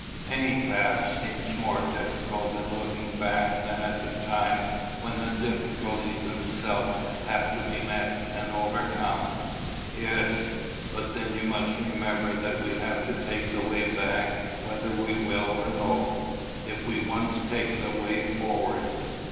Any path seems more difficult in looking back than at the time when the difficulties themselves have to be met and overcome." "Yes, but then you must remember that we have to take the way back whether we will or no, if we once take the way forward."